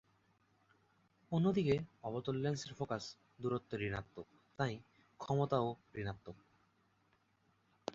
অন্যদিকে অবতল লেন্সের ফোকাস দূরত্ব ঋণাত্মক, তাই ক্ষমতাও ঋণাত্মক।